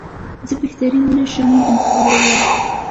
زه بهترین نه شم انتخابولای.